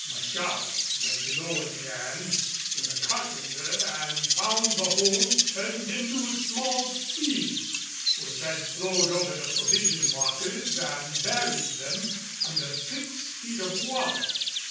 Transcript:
Bachasse went below again, with a carpenter, and found the hold turned into a small sea, which had flowed over the provision lockers and buried them under six feet of water.